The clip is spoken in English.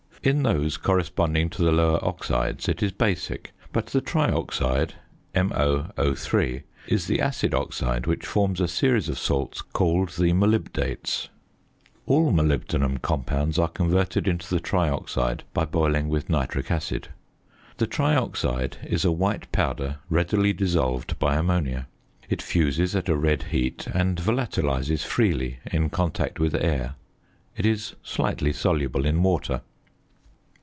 In those corresponding to the lower oxides it is basic; but the trioxide (MoO_) is the acid oxide which forms a series of salts called the molybdates. All molybdenum compounds are converted into the trioxide by boiling with nitric acid. The trioxide is a white powder readily dissolved by ammonia. It fuses at a red heat, and volatilises freely in contact with air. It is slightly soluble in water.